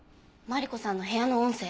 マリコさんの部屋の音声。